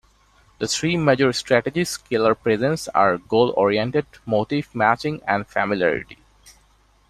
The three major strategies Keller presents are goal-oriented, motive matching, and familiarity.